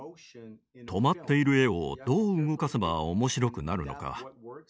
止まっている絵をどう動かせば面白くなるのか。